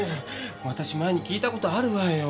私前に聞いた事あるわよ。